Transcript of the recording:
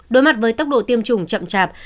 đối mặt với tốc độ tiêm chủng chậm chạp